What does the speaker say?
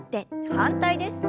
反対です。